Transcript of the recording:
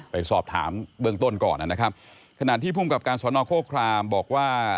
ไปสอบถามเบื้องต้นก่อนนะครับขณะที่ภูมิกับการสอนอโฆครามบอกว่า